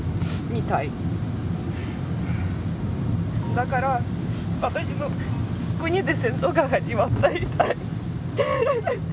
だから私の国で戦争が始まったみたい。